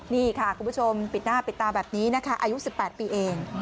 นี่ค่ะคุณผู้ชมปิดหน้าปิดตาแบบนี้นะคะอายุ๑๘ปีเอง